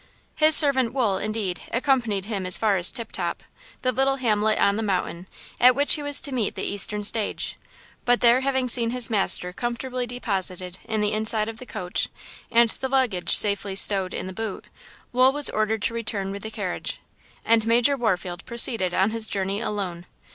His servant Wool, indeed, accompanied him as far as Tip Top, the little hamlet on the mountain at which he was to meet the eastern stage; but there having seen his master comfortably deposited in the inside of the coach, and the luggage safely stowed in the boot, Wool was ordered to return with the carriage. And Major Warfield proceeded on his journey alone.